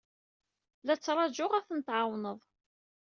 La ttṛajunt ad tent-tɛawneḍ.